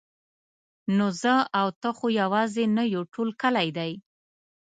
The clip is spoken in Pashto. نو زه او ته خو یوازې نه یو ټول کلی دی.